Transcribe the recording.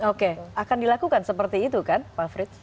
oke akan dilakukan seperti itu kan pak frits